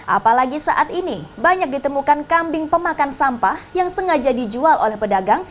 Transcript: apalagi saat ini banyak ditemukan kambing pemakan sampah yang sengaja dijual oleh pedagang